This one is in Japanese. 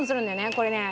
これね。